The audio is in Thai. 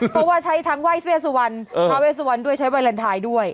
เพราะว่าใช้ทั้งไหว้เวสวรรณท้าเวสวันด้วยใช้วาเลนไทยด้วย